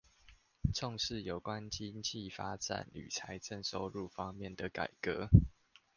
重視有關經濟發展與財政收入方面的改革